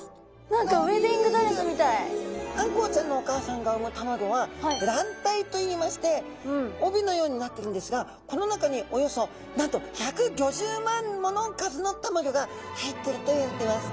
何かあんこうちゃんのお母さんがうむたまギョは卵帯といいまして帯のようになってるんですがこの中におよそなんと１５０万もの数のたまギョが入ってるといわれてます。